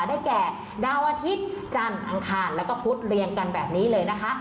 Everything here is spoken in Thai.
ได้แก่ดาวอาทิตย์จันทร์อังคารแล้วก็พุธเรียงกันแบบนี้เลยนะคะ